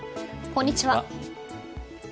こんにちは。